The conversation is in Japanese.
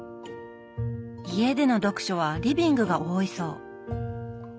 家での読書はリビングが多いそう。